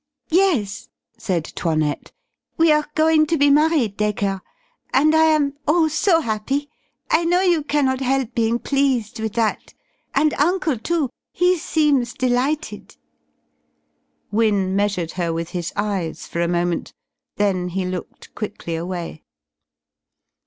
"Yes," said 'Toinette. "We're going to be married, Dacre. And I am oh, so happy! I know you cannot help being pleased with that. And uncle, too. He seems delighted." Wynne measured her with his eyes for a moment. Then he looked quickly away.